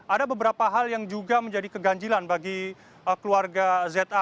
ada beberapa hal yang juga menjadi keganjilan bagi keluarga za